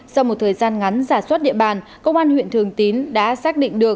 sau một thời gian ngắn giả soát địa bàn công an huyện thường tín đã xác định được